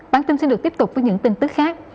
bản tin sẽ được tiếp tục với những tin tức khác